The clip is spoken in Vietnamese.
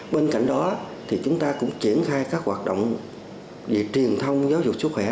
bên cạnh đó thì chúng ta cũng triển khai các hoạt động về truyền thông giáo dục sức khỏe